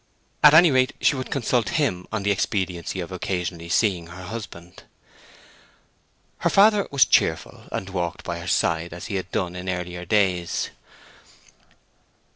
At any rate, she would consult him on the expediency of occasionally seeing her husband. Her father was cheerful, and walked by her side as he had done in earlier days.